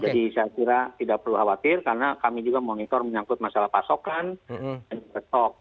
jadi saya kira tidak perlu khawatir karena kami juga monitor menyangkut masalah pasokan dan stok